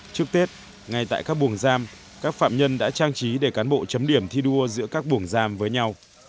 trước tết ngay tại các buồng giam các phạm nhân đã trang trí để cán bộ chấm điểm thi đua giữa các buồng giam với nhau